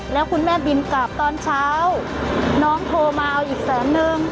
แล้วคุณแม่บินกลับตอนเช้าน้องโทรมาเอาอีกแสนนึง